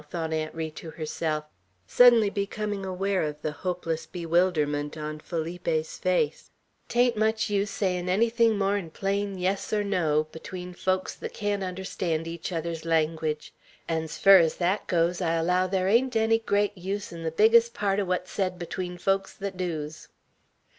thought Aunt Ri to herself, suddenly becoming aware of the hopeless bewilderment on Felipe's face. "'Tain't much use sayin' anything more'n plain yes 'n' no, between folks thet can't understand each other's langwedge; 'n' s' fur's thet goes, I allow thar ain't any gret use'n the biggest part o' what's sed between folks thet doos!"